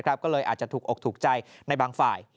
ก็เลยอาจจะถูกอกถูกใจในบางฝ่าย